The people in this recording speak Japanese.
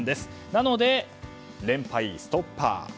なので、連敗ストッパー。